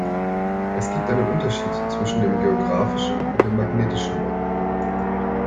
Es gibt einen Unterschied zwischen dem geografischen und dem magnetischen Nordpol.